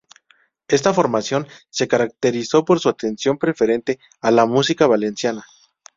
Esta formación se caracterizó por su atención preferente a la música valenciana.